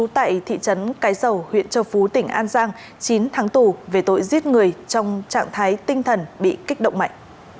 tại thị trấn cái dầu huyện châu phú tỉnh an giang chín tháng tù về tội giết người trong trạng thái tinh thần bị kích động mạnh